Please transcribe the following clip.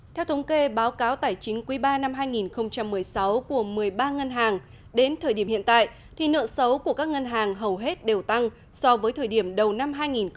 theo thống kê báo cáo tài chính quý ba năm hai nghìn một mươi sáu của một mươi ba ngân hàng đến thời điểm hiện tại thì nợ xấu của các ngân hàng hầu hết đều tăng so với thời điểm đầu năm hai nghìn một mươi tám